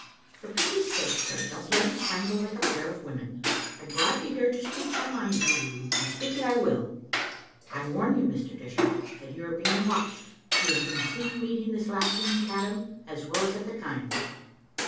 " For pity's sake, sir, don't let us wrangle like a pair of women. I brought you here to speak my mind to you, and speak it I will. I warn you, Mr. Dishart, that you are being watched. You have been seen meeting this lassie in Caddam as well as at the Kaims."